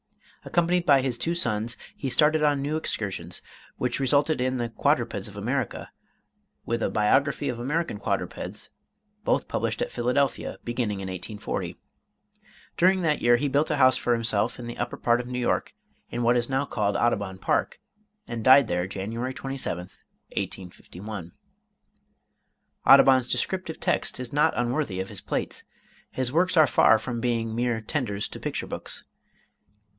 Accompanied by his two sons he started on new excursions, which resulted in 'The Quadrupeds of America,' with a 'Biography of American Quadrupeds,' both published at Philadelphia, beginning in 1840. During that year he built a house for himself in the upper part of New York, in what is now called Audubon Park, and died there January 27th, 1851. Audubon's descriptive text is not unworthy of his plates: his works are far from being mere tenders to picture books.